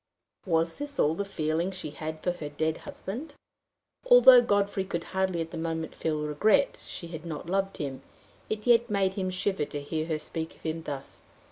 Was this all the feeling she had for her dead husband? Although Godfrey could hardly at the moment feel regret she had not loved him, it yet made him shiver to hear her speak of him thus.